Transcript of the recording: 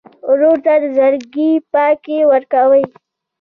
ورور ته د زړګي پاکي ورکوې.